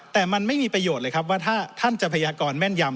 แต่มันไม่มีประโยชน์เลยครับว่าถ้าท่านจะพยากรแม่นยำ